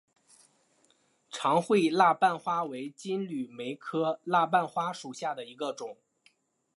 长穗蜡瓣花为金缕梅科蜡瓣花属下的一个种。